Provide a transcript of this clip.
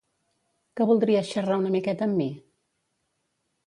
Que voldries xerrar una miqueta amb mi?